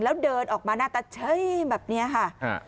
แล้วเดินออกมาหน้าตาเฉยแบบนี้ค่ะ